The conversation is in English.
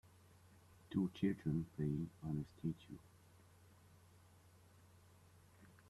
Two children playing on a statue